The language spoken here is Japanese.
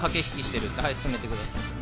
ＶＴＲ進めてください。